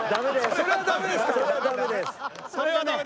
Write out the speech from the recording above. それはダメです。